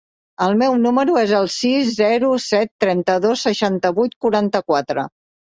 El meu número es el sis, zero, set, trenta-dos, seixanta-vuit, quaranta-quatre.